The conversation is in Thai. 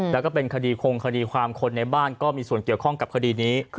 แล้วก็เป็นคดีคงคดีความคนในบ้านก็มีส่วนเกี่ยวข้องกับคดีนี้